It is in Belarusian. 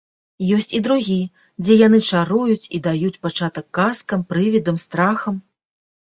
Ёсць і другі, дзе яны чаруюць і даюць пачатак казкам, прывідам, страхам.